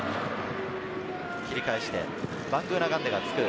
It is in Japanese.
切り替えして、バングーナガンデがつく。